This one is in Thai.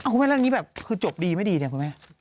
คุณแม่เรื่องนี้แบบคือจบดีไม่ดีเนี่ยคุณแม่